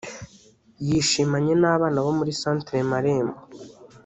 yishimanye n’abana bo muri Centre Marembo